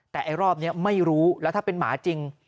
แต่ไอ้รอบนี้ไม่รู้แล้วถ้าเป็นหมาจริง